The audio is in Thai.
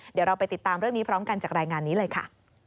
เดี๋ยวเราไปติดตามเรื่องนี้พร้อมกันจากรายงานนี้เลยค่ะ